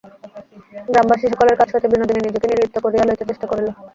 গ্রামবাসী সকলের কাছ হইতে বিনোদিনী নিজেকে নির্লিপ্ত করিয়া লইতে চেষ্টা করিল।